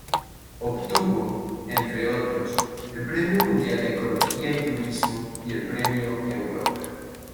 Obtuvo, entre otros, el Premio Mundial de Ecología y Turismo y el Premio Europa.